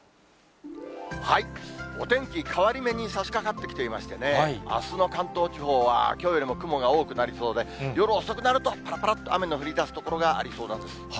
お天気、変わり目にさしかかってきていましてね、あすの関東地方は、きょうよりも雲が多くなりそうで、夜遅くなると、ぱらぱらっと雨の降りだす所がありそうなんです。